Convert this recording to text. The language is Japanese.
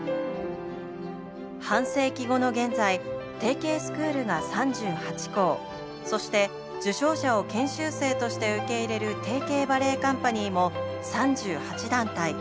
半世紀後の現在提携スクールが３８校そして受賞者を研修生として受け入れる提携バレエカンパニーも３８団体。